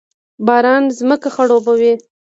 باران ځمکه خړوبوي